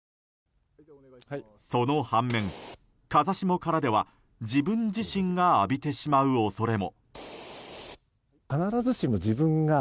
その反面、風下からでは自分自身が浴びてしまう恐れも。